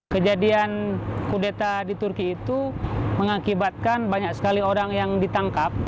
kejadian kudeta di turki itu mengakibatkan banyak sekali orang yang ditangkap